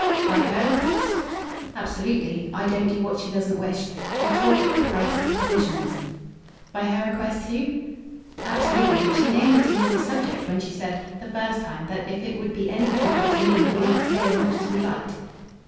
"By her request?" "Absolutely. I don't do what she doesn't wish. We talk of the price of provisions." "By her request too?" "Absolutely. She named it to me as a subject when she said, the first time, that if it would be any comfort to me he might stay as much as we liked."